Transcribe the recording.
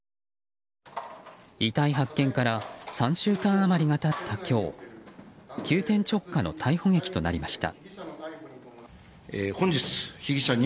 遺体発見から３週間余りが経った今日急転直下の逮捕劇となりました。